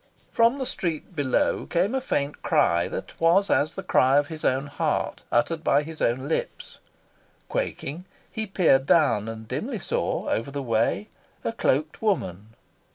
From the street below came a faint cry that was as the cry of his own heart, uttered by her own lips. Quaking, he peered down, and dimly saw, over the way, a cloaked woman.